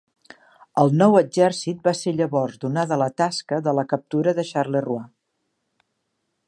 El nou exèrcit va ser llavors donada la tasca de la captura de Charleroi.